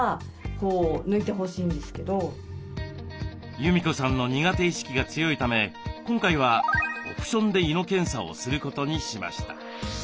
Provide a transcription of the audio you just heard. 裕美子さんの苦手意識が強いため今回はオプションで胃の検査をすることにしました。